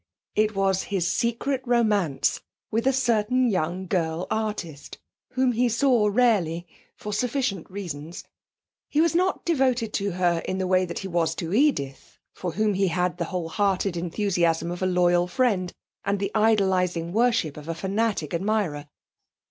It was his secret romance with a certain young girl artist, whom he saw rarely, for sufficient reasons. He was not devoted to her in the way that he was to Edith, for whom he had the wholehearted enthusiasm of a loyal friend, and the idolising worship of a fanatic admirer.